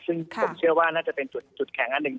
ซึ่งผมเชื่อว่าน่าจะเป็นจุดแข็งอันหนึ่ง